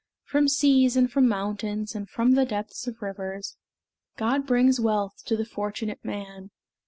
From seas, and from mountains, And from the depths of rivers, God brings wealth to the fortunate man.